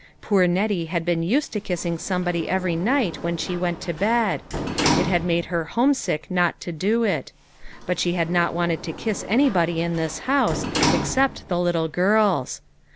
Poor Nettie had been used to kissing somebody every night when she went to bed. It had made her homesick not to do it. But she had not wanted to kiss anybody in this house, except the little girls.